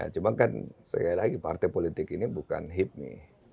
cuma kan sekali lagi partai politik ini bukan hipmi